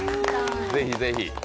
ぜひぜひ。